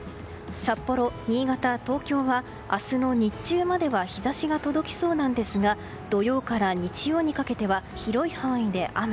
札幌、新潟、東京は明日の日中までは日差しが届きそうですが土曜から日曜にかけては広い範囲で雨。